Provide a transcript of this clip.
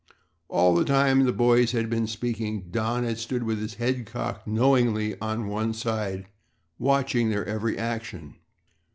All the time the boys had been speaking Don had stood with his head cocked knowingly on one side, watching their every action.